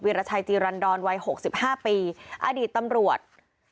วิรัชัยจีรันดรวัยหกสิบห้าปีอดีตตำรวจ